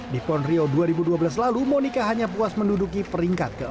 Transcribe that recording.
di pon rio dua ribu dua belas lalu monika hanya puas menduduki peringkat keempat